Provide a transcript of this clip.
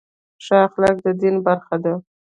ښه اخلاق د دین برخه ده.